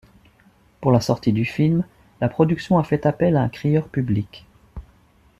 Pour la sortie du film, la production a fait appel à un Crieur public.